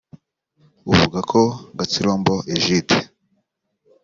uvuga ko Gatsirombo Egide